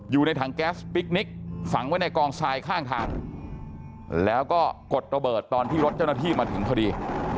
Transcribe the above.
อยู่ในถังแก๊สปิ๊กนิกฝังไว้ในกองทรายข้างทางแล้วก็กดระเบิดตอนที่รถเจ้าหน้าที่มาถึงพอดี